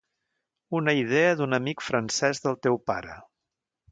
Una idea d’un amic francés del teu pare...